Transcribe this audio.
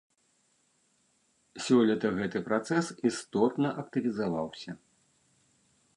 Сёлета гэты працэс істотна актывізаваўся.